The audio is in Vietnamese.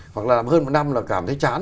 hoặc là làm hơn một năm là cảm thấy chán